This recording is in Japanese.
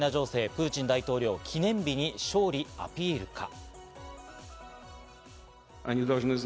プーチン大統領、記念日に勝利アピールか？